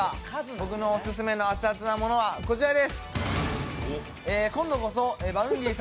僕のオススメのアツアツなものはこちらです。